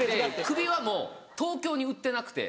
首輪も東京に売ってなくて。